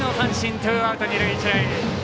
ツーアウト、二塁、一塁。